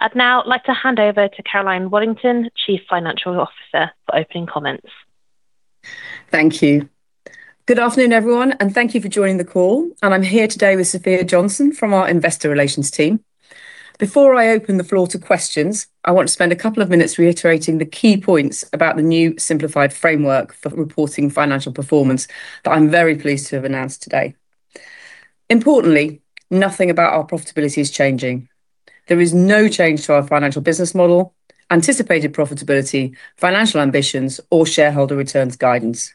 I'd now like to hand over to Caroline Waddington, Chief Financial Officer, for opening comments. Thank you. Good afternoon, everyone, and thank you for joining the call. I'm here today with Sophia Johnson from our investor relations team. Before I open the floor to questions, I want to spend a couple of minutes reiterating the key points about the new simplified framework for reporting financial performance that I'm very pleased to have announced today. Importantly, nothing about our profitability is changing. There is no change to our financial business model, anticipated profitability, financial ambitions, or shareholder returns guidance.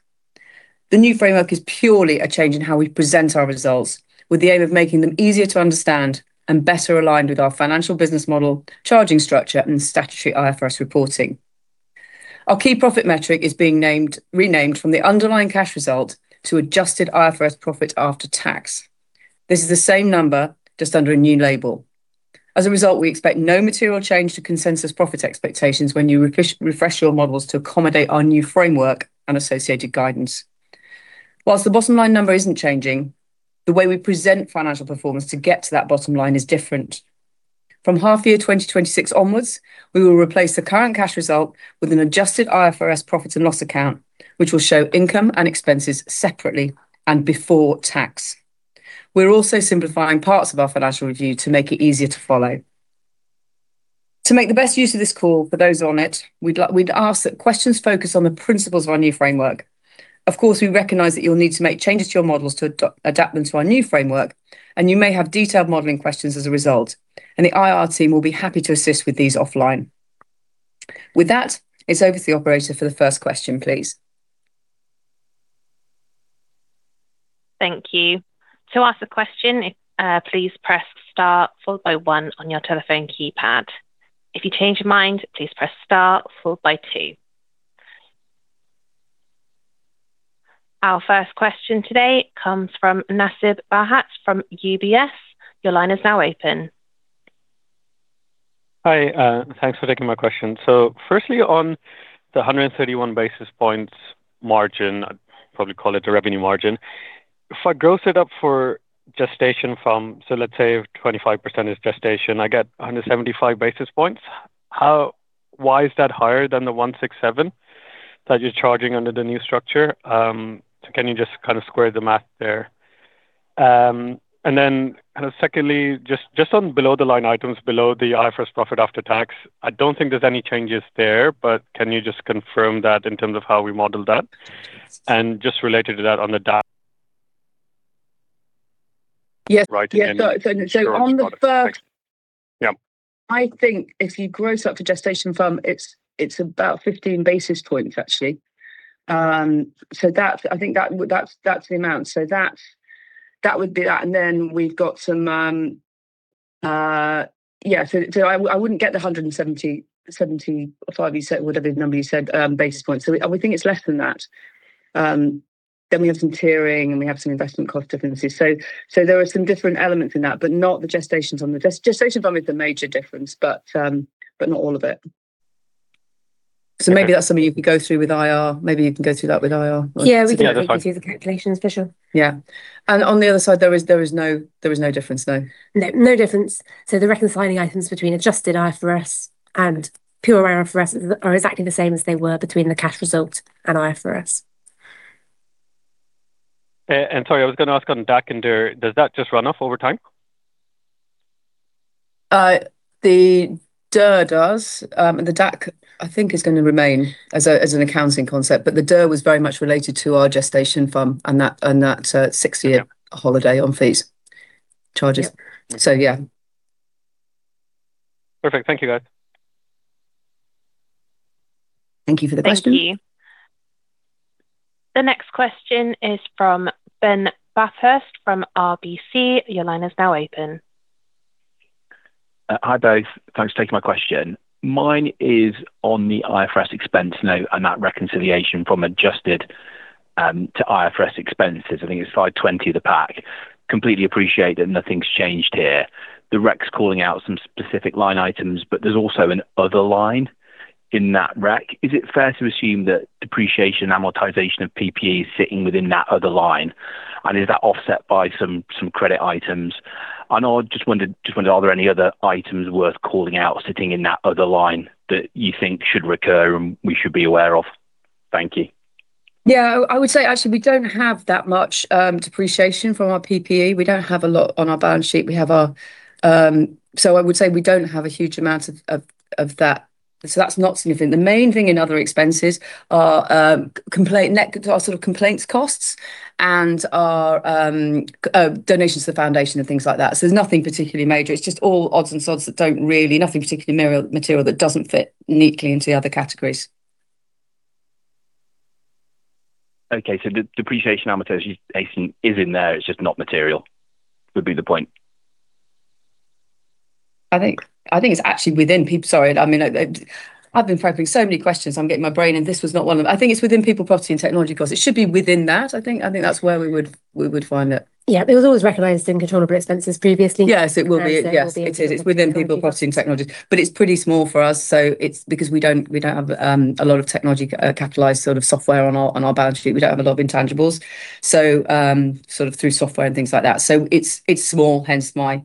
The new framework is purely a change in how we present our results, with the aim of making them easier to understand and better aligned with our financial business model, charging structure, and statutory IFRS reporting. Our key profit metric is being renamed from the underlying cash result to adjusted IFRS profit after tax. This is the same number, just under a new label. As a result, we expect no material change to consensus profit expectations when you refresh your models to accommodate our new framework and associated guidance. Whilst the bottom-line number isn't changing, the way we present financial performance to get to that bottom line is different. From half year 2026 onwards, we will replace the current cash result with an adjusted IFRS profit and loss account, which will show income and expenses separately and before tax. We're also simplifying parts of our financial review to make it easier to follow. To make the best use of this call for those on it, we'd ask that questions focus on the principles of our new framework. Of course, we recognize that you'll need to make changes to your models to adapt them to our new framework, and you may have detailed modeling questions as a result, and the IR team will be happy to assist with these offline. With that, it's over to the operator for the first question, please. Thank you. To ask a question, please press star followed by one on your telephone keypad. If you change your mind, please press star followed by two. Our first question today comes from Nasib Ahmed from UBS. Your line is now open. Hi. Thanks for taking my question. Firstly, on the 131-basis points margin, I'd probably call it a revenue margin. If I gross it up for gestation FUM, let's say 25% is gestation, I get 175 basis points. Why is that higher than the 167 that you're charging under the new structure? Can you just kind of square the math there? Then kind of secondly, just on below the line items, below the IFRS profit after tax, I don't think there's any changes there, but can you just confirm that in terms of how we model that? And just related to that on the DA Yes Yep. I think if you gross up for gestation fund, it's about 15 basis points, actually. I think that's the amount. That would be that. I wouldn't get the 175 you said whatever number you said, basis points. We think it's less than that. Then we have some tiering, and we have some investment cost differences. There are some different elements in that, but not the gestations. The gestation is the major difference, but not all of it. Maybe that's something you can go through with IR. Maybe you can go through that with IR. Yeah, we can definitely Yeah go through the calculations for sure. Yeah. On the other side, there is no difference, no? No. No difference. The reconciling items between adjusted IFRS and pure IFRS are exactly the same as they were between the cash result and IFRS. Sorry, I was going to ask on DAC and DIR, does that just run off over time? The DIR does. The DAC, I think, is going to remain as an accounting concept. The DIR was very much related to our gestation fund and that six-year- Yeah holiday on fees, charges. Yeah. Yeah. Perfect. Thank you, guys. Thank you for the question. Thank you. The next question is from Ben Bathurst from RBC. Your line is now open. Hi, both. Thanks for taking my question. Mine is on the IFRS expense note and that reconciliation from adjusted to IFRS expenses. I think it's Slide 20 of the pack. Completely appreciate that nothing's changed here. Directs calling out some specific line items, but there's also an other line in that reconciliation. Is that offset by some credit items? I just wondered, are there any other items worth calling out sitting in that other line that you think should recur and we should be aware of? Thank you. Yeah, I would say, actually, we don't have that much depreciation from our PPE. We don't have a lot on our balance sheet. I would say we don't have a huge amount of that. That's not significant. The main thing in other expenses are our sort of complaints costs and our donations to the foundation and things like that. There's nothing particularly major. It's just all odds and sods, nothing particularly material that doesn't fit neatly into the other categories. Okay. The depreciation amortization is in there, it's just not material, would be the point. I think it's actually within. Sorry. I've been prepping so many questions, I'm getting my brain in. This was not one of them. I think it's within people, property, and technology costs. It should be within that, I think. I think that's where we would find it. Yeah, it was always recognized in controllable expenses previously. Yes, it will be. It will be Yes, it is. It's within people, property, and technology. It's pretty small for us, because we don't have a lot of technology capitalized sort of software on our balance sheet. We don't have a lot of intangibles, so sort of through software and things like that. It's small, hence my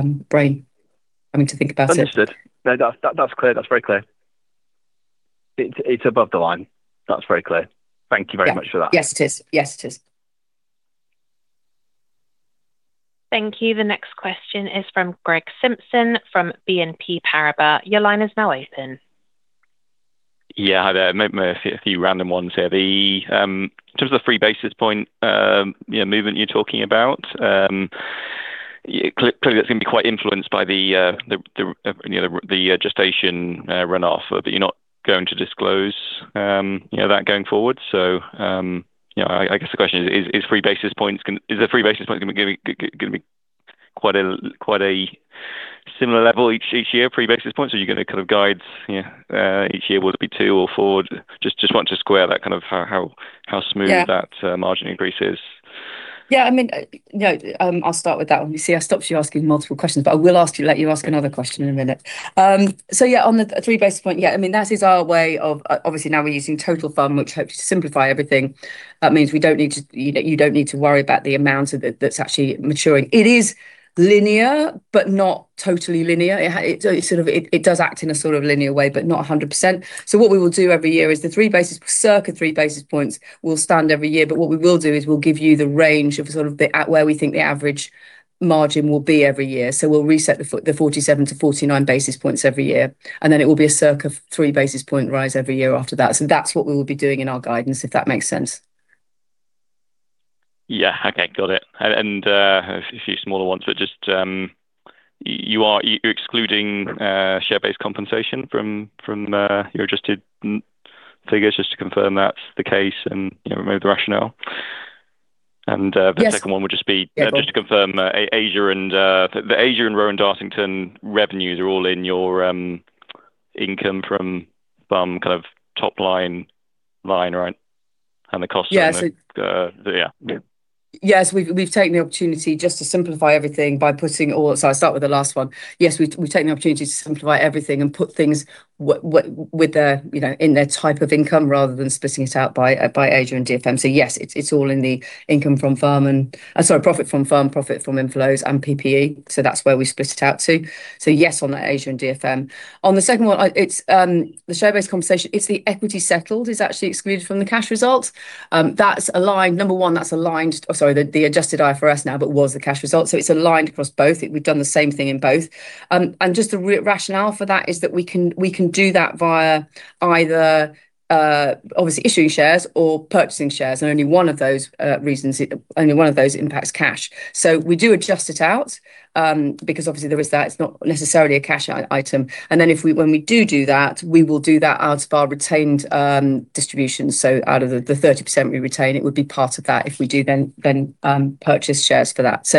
brain having to think about it. Understood. No, that's clear. That's very clear. It's above the line. That's very clear. Thank you very much for that. Yes, it is. Thank you. The next question is from Gregory Simpson from BNP Paribas. Your line is now open. Hi there. Maybe a few random ones here. In terms of the three-basis points movement you are talking about, clearly that is going to be quite influenced by the gestation runoff, but you are not going to disclose that going forward. I guess the question is the three basis points going to be quite a similar level each year, three basis points? Are you going to kind of guide each year, will it be two or four? Just want to square that, how smooth that margin increase is. I will start with that one. You see, I stopped you asking multiple questions. I will let you ask another question in a minute. On the three basis points. Obviously now we are using total FUM, which helps to simplify everything. That means you do not need to worry about the amount that is actually maturing. It is linear, but not totally linear. It does act in a sort of linear way, but not 100%. What we will do every year is the circa three basis points will stand every year. What we will do is we will give you the range of sort of where we think the average margin will be every year. We will reset the 47-49 basis points every year, and then it will be a circa three basis points rise every year after that. that's what we will be doing in our guidance, if that makes sense. Yeah, okay. Got it. A few smaller ones, but just, you're excluding share-based compensation from your adjusted figures, just to confirm that's the case and maybe the rationale. Yes. The second one would just be- Yeah, go on just to confirm the Asia and Rowan Dartington revenues are all in your income from FUM kind of topline, right? The cost of the- Yes yeah. Yes. We've taken the opportunity just to simplify everything. I'll start with the last one. Yes, we've taken the opportunity to simplify everything and put things in their type of income rather than splitting it out by Asia and DFM. Yes, it's all in the income from FUM and, sorry, profit from FUM, profit from inflows and PPE. That's where we split it out to. Yes, on the Asia and DFM. On the second one, the share-based compensation, it's the equity settled is actually excluded from the cash results. Number one, that's aligned, sorry, the adjusted IFRS now, but was the cash result. It's aligned across both. We've done the same thing in both. Just the rationale for that is that we can do that via either, obviously, issuing shares or purchasing shares. Only one of those impacts cash. We do adjust it out, because obviously there is that it's not necessarily a cash item. When we do that, we will do that out of our retained distribution. Out of the 30% we retain; it would be part of that if we do then purchase shares for that.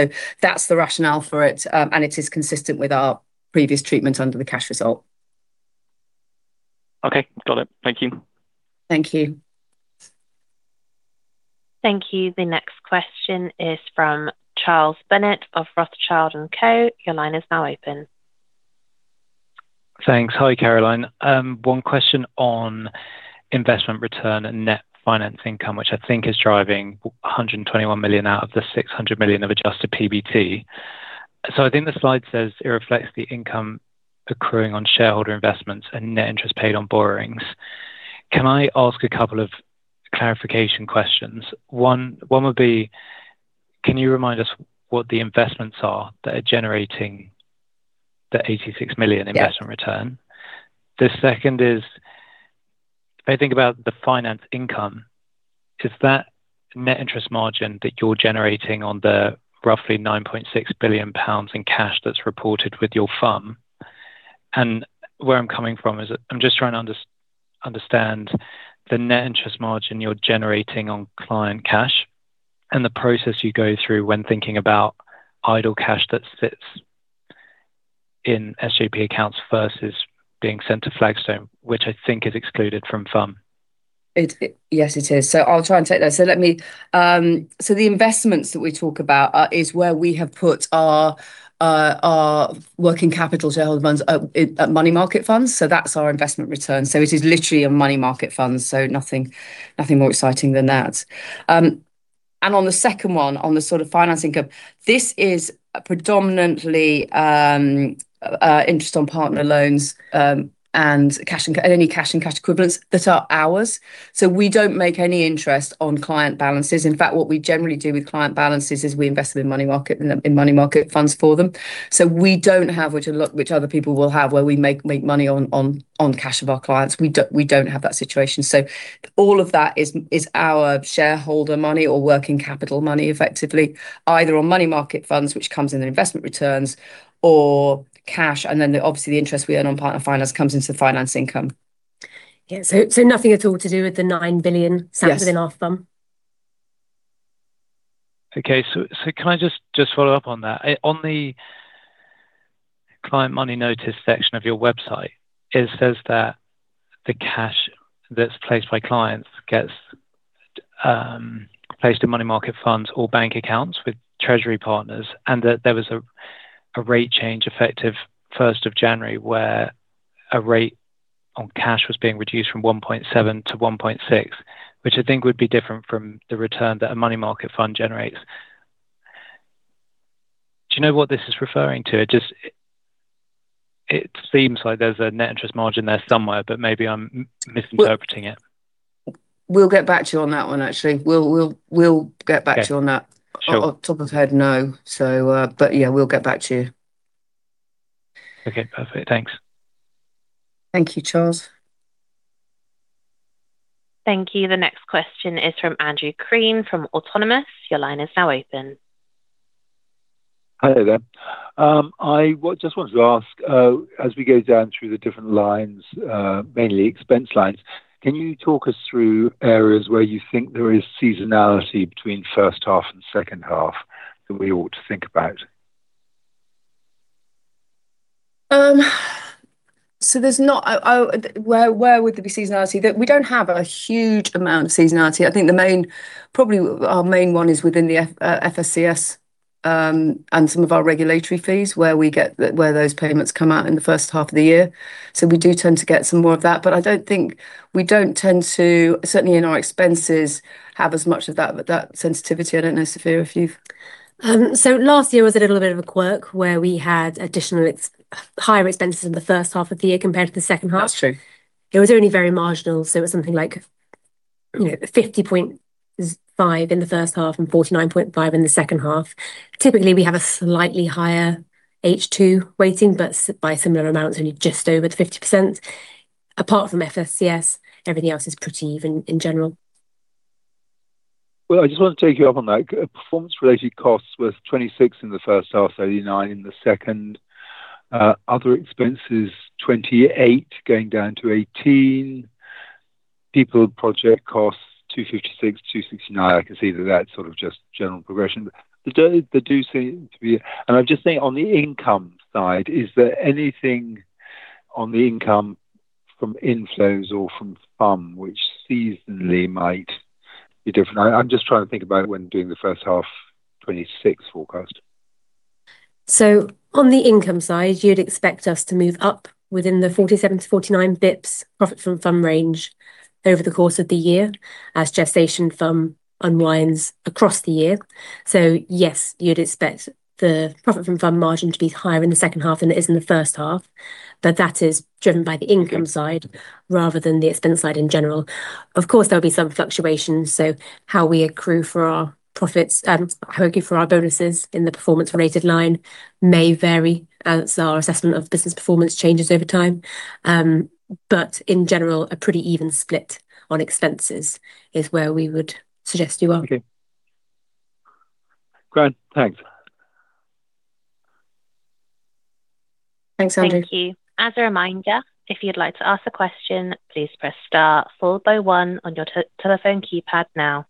That's the rationale for it, and it is consistent with our previous treatment under the cash result. Okay, got it. Thank you. Thank you. Thank you. The next question is from Charles Bendit of Rothschild & Co. Your line is now open. Thanks. Hi, Caroline. One question on investment return and net finance income, which I think is driving 121 million out of the 600 million of adjusted PBT. I think the slide says it reflects the income accruing on shareholder investments and net interest paid on borrowings. Can I ask a couple of clarification questions? One would be, can you remind us what the investments are that are generating the 86 million investment return? Yes. The second is, if I think about the finance income, is that net interest margin that you're generating on the roughly 9.6 billion pounds in cash that's reported with your FUM, and where I'm coming from is I'm just trying to understand the net interest margin you're generating on client cash, and the process you go through when thinking about idle cash that sits in SJP accounts versus being sent to Flagstone, which I think is excluded from FUM. Yes, it is. I'll try and take that. The investments that we talk about is where we have put our working capital shareholder funds, money market funds. That's our investment return. It is literally a money market fund, nothing more exciting than that. On the second one, on the sort of finance income, this is predominantly interest on partner loans, and any cash and cash equivalents that are ours. We don't make any interest on client balances. In fact, what we generally do with client balances is we invest them in money market funds for them. We don't have, which other people will have, where we make money on cash of our clients. We don't have that situation. All of that is our shareholder money or working capital money effectively, either on money market funds, which comes in the investment returns, or cash, and then obviously the interest we earn on partner finance comes into the finance income. Yeah. Nothing at all to do with the 9 billion sat within our FUM. Yes. Okay. Can I just follow up on that? On the client money notice section of your website, it says that the cash that's placed by clients gets placed in money market funds or bank accounts with treasury partners, and that there was a rate change effective 1st of January where a rate on cash was being reduced from 1.7% to 1.6%, which I think would be different from the return that a money market fund generates. Do you know what this is referring to? It seems like there's a net interest margin there somewhere, but maybe I'm misinterpreting it. We'll get back to you on that one, actually. We'll get back to you on that. Okay. Sure. Off top of head, no. Yeah, we'll get back to you. Okay, perfect. Thanks. Thank you, Charles. Thank you. The next question is from Andrew Crean from Autonomous. Your line is now open. Hi there. I just wanted to ask, as we go down through the different lines, mainly expense lines, can you talk us through areas where you think there is seasonality between first half and second half that we ought to think about? Where would there be seasonality? We don't have a huge amount of seasonality. I think probably our main one is within the FSCS, and some of our regulatory fees, where those payments come out in the first half of the year. We do tend to get some more of that. We don't tend to, certainly in our expenses, have as much of that sensitivity. I don't know, Sophia, if you've Last year was a little bit of a quirk, where we had higher expenses in the first half of the year compared to the second half. That's true. It was only very marginal; it was something like 50.5 in the first half and 49.5 in the second half. Typically, we have a slightly higher H2 weighting, but by similar amounts, only just over the 50%. Apart from FSCS, everything else is pretty even, in general. Well, I just want to take you up on that. Performance-related costs were 26 in the first half, 39 in the second. Other expenses, 28 going down to 18. People, project costs, 256, 269. I can see that that's just general progression. I'm just thinking on the income side, is there anything on the income from inflows or from FUM which seasonally might be different? I'm just trying to think about when doing the first half 2026 forecast. On the income side, you'd expect us to move up within the 47-49 basis points profit from FUM range over the course of the year as gestation FUM unwinds across the year. Yes, you'd expect the profit from FUM margin to be higher in the second half than it is in the first half. That is driven by the income side rather than the expense side in general. Of course, there'll be some fluctuations, so how we accrue for our bonuses in the performance-related line may vary as our assessment of business performance changes over time. In general, a pretty even split on expenses is where we would suggest you are. Okay. Great. Thanks. Thanks, Andrew. Thank you. As a reminder, if you'd like to ask a question, please press star followed by one on your telephone keypad now.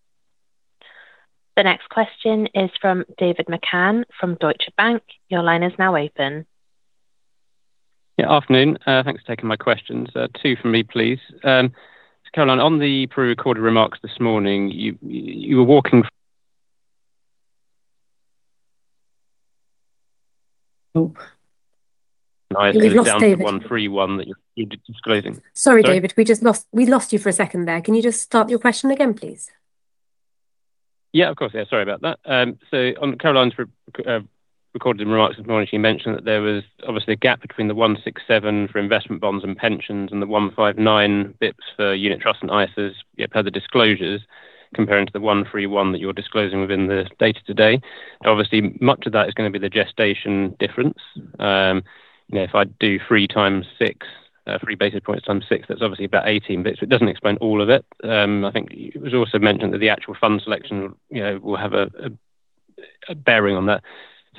The next question is from David McCann from Deutsche Bank. Your line is now open. Yeah. Afternoon. Thanks for taking my questions. Two from me, please. Caroline, on the pre-recorded remarks this morning, you were walking- Oh. We've lost David down to the 131 that you're disclosing. Sorry. Sorry, David, we just lost you for a second there. Can you just start your question again, please? Yeah, of course. Yeah. Sorry about that. On Caroline's recorded remarks this morning, she mentioned that there was obviously a gap between the 167 for investment bonds and pensions and the 159 basis points for unit trusts and ISAs per the disclosures, comparing to the 131 that you're disclosing within the data today. Obviously, much of that is going to be the gestation difference. If I do three times six, three basis points times six, that's obviously about 18 basis points. It doesn't explain all of it. I think it was also mentioned that the actual fund selection will have a bearing on that.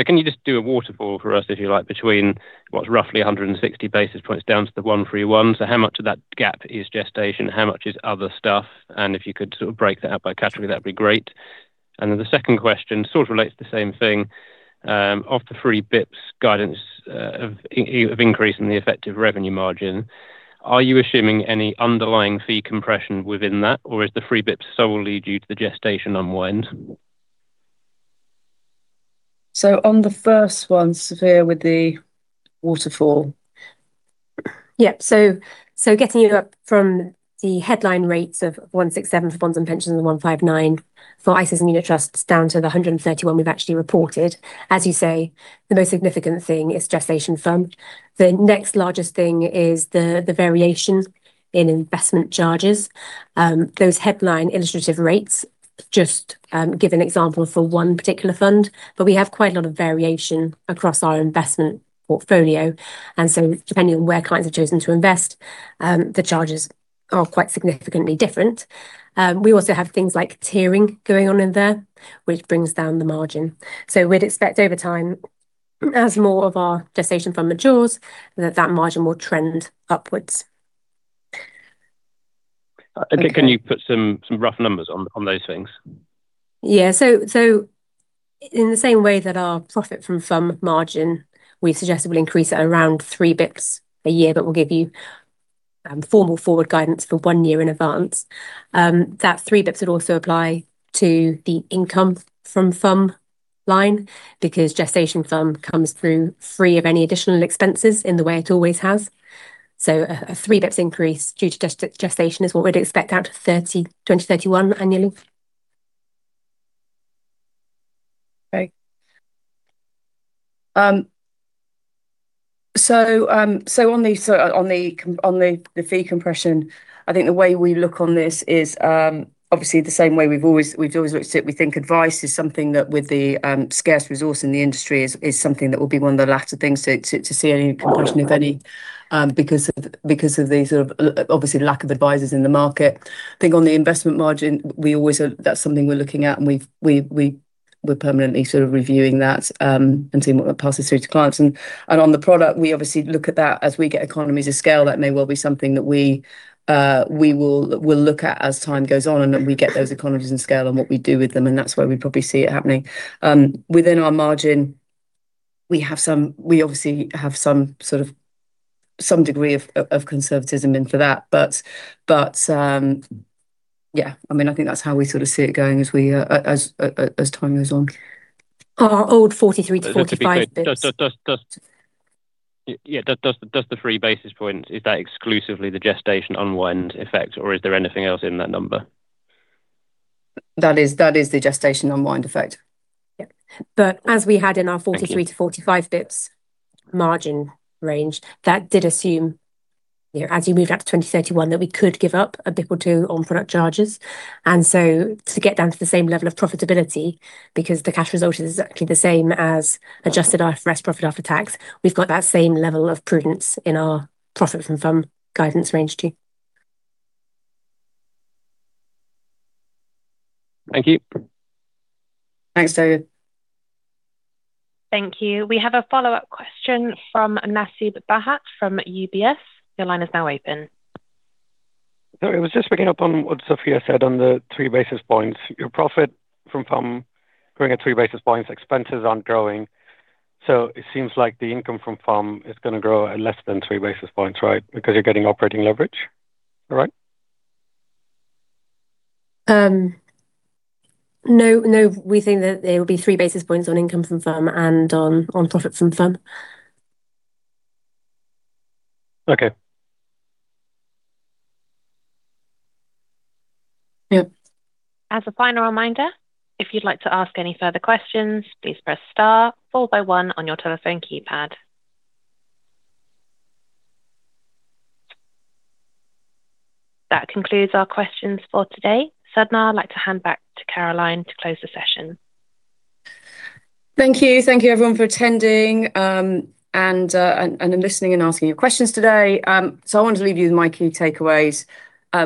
Can you just do a waterfall for us, if you like, between what's roughly 160 basis points down to the 131? How much of that gap is gestation? How much is other stuff? If you could sort of break that out by category, that'd be great. The second question sort of relates to the same thing. Of the three-basis points guidance of increase in the effective revenue margin, are you assuming any underlying fee compression within that? Or is the three basis points solely due to the gestation unwind? On the first one, Sophia, with the waterfall. Yep. Getting it up from the headline rates of 167 for bonds and pensions and 159 for ISAs and unit trusts down to the 131 we've actually reported. As you say, the most significant thing is gestation fund. The next largest thing is the variation in investment charges. Those headline illustrative rates just give an example for one particular fund, but we have quite a lot of variation across our investment portfolio. Depending on where clients have chosen to invest, the charges are quite significantly different. We also have things like tiering going on in there, which brings down the margin. We'd expect over time, as more of our gestation fund matures, that that margin will trend upwards. Can you put some rough numbers on those things? In the same way that our profit from FUM margin, we suggested we'll increase it around three basis points a year, but we'll give you formal forward guidance for one year in advance. That three basis points would also apply to the income from FUM line because gestation FUM comes through free of any additional expenses in the way it always has. A 3 basis points increase due to gestation is what we'd expect out of 2031 annually. On the fee compression, I think the way we look on this is obviously the same way we've always looked at it. We think advice is something that with the scarce resource in the industry is something that will be one of the latter things to see any compression, if any, because of the obvious lack of advisors in the market. I think on the investment margin, that's something we're looking at, and we're permanently reviewing that and seeing what that passes through to clients. On the product, we obviously look at that. As we get economies of scale, that may well be something that we'll look at as time goes on and we get those economies in scale and what we do with them, and that's where we probably see it happening. Within our margin, we obviously have some degree of conservatism in for that. I think that's how we sort of see it going as time goes on. Our old 43-45 basis points. Does the three basis points, is that exclusively the gestation unwind effect, or is there anything else in that number? That is the gestation unwind effect. Yeah. Thank you 43-45 bps margin range, that did assume, as you move out to 2031, that we could give up a bp or two on product charges. So, to get down to the same level of profitability, because the cash result is exactly the same as adjusted IFRS profit after tax, we've got that same level of prudence in our profit from FUM guidance range too. Thank you. Thanks, David. Thank you. We have a follow-up question from Nasib Ahmed from UBS. Your line is now open. I was just picking up on what Sophia said on the three basis points. Your profit from FUM growing at three basis points, expenses aren't growing, so it seems like the income from FUM is going to grow at less than three basis points, right? Because you're getting operating leverage, correct? No, we think that it will be three basis points on income from FUM and on profit from FUM. Okay. Yep. As a final reminder, if you'd like to ask any further questions, please press star followed by one on your telephone keypad. That concludes our questions for today. Sadhna, I'd like to hand back to Caroline to close the session. Thank you. Thank you, everyone, for attending and listening and asking your questions today. I want to leave you with my key takeaways.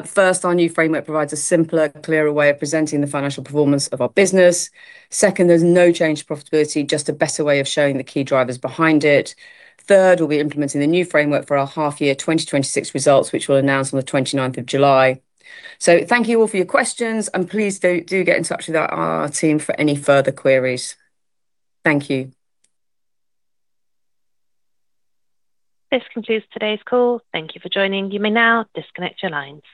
First, our new framework provides a simpler, clearer way of presenting the financial performance of our business. Second, there's no change to profitability, just a better way of showing the key drivers behind it. Third, we'll be implementing the new framework for our half year 2026 results, which we'll announce on the 29th of July. Thank you all for your questions, and please do get in touch with our team for any further queries. Thank you. This concludes today's call. Thank you for joining. You may now disconnect your lines.